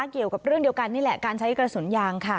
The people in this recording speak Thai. เกี่ยวกับเรื่องเดียวกันนี่แหละการใช้กระสุนยางค่ะ